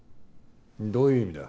どういう意味だ？